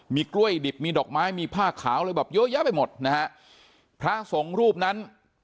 มีกล้วยดิบมีดอกไม้มีผ้าขาวอะไรแบบเยอะแยะไปหมดนะฮะพระสงฆ์รูปนั้น